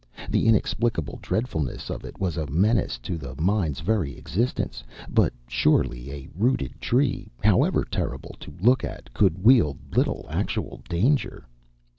The inexplicable dreadfulness of it was a menace to the mind's very existence, but surely a rooted tree, however terrible to look at, could wield little actual danger.